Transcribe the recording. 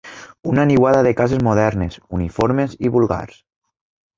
Una niuada de cases modernes, uniformes i vulgars